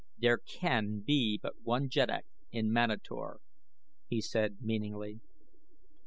"There can be but one jeddak in Manator," he repeated meaningly.